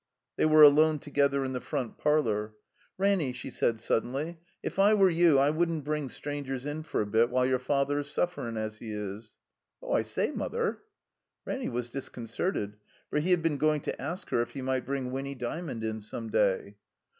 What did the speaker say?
They were alone together in the front parlor. "Ranny," she said, suddenly; "if I were you I wouldn't bring strangers in for a bit while your father's suflEerin* as he is." "Oh, I say. Mother—" Ranny was disconcerted, for he had been going to ask her if he might bring Winny Dymond in some day.